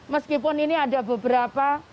meskipun ini ada beberapa